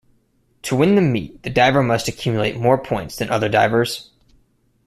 To win the meet the diver must accumulate more points than other divers.